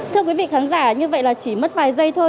thưa quý vị khán giả như vậy là chỉ mất vài giây thôi